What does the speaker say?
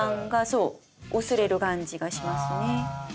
そう薄れる感じがしますね。